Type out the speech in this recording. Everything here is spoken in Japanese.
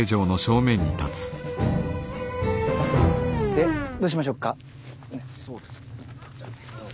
でどうしましょうか。